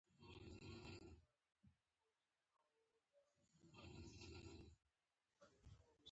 که چین وده وکړي نړۍ وده کوي.